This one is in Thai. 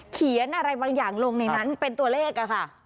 เขียนอะไรบางอย่างลงในนั้นเป็นตัวเลขค่ะ